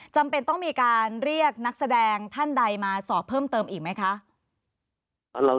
จำเป็นต้องมีการเรียกนักแสดงท่านใดมาสอบเพิ่มเติมอีกไหมคะ